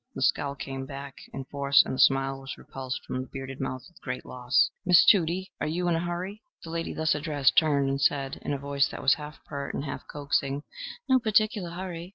The scowl came back in force, and the smile was repulsed from the bearded mouth with great loss: "Miss Tudie, are you in a hurry?" The lady thus addressed turned and said, in a voice that was half pert and half coaxing, "No particular hurry.